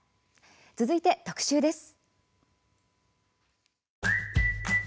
続いて、特集です。